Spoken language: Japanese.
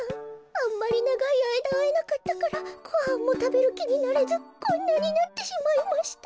あんまりながいあいだあえなかったからごはんもたべるきになれずこんなになってしまいました。